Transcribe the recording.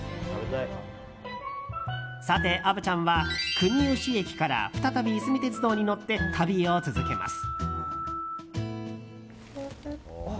さて、虻ちゃんは国吉駅から再びいすみ鉄道に乗って旅を続けます。